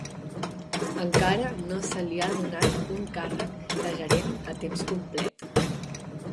Encara no se li ha donat un càrrec de gerent a temps complet.